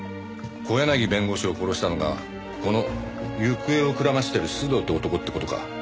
小柳弁護士を殺したのがこの行方をくらましてる須藤って男って事か。